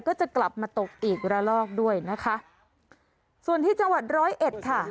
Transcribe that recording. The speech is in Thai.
ก็จะกลับมาตกอีกระลอกด้วยนะคะส่วนที่จังหวัดร้อยเอ็ดค่ะ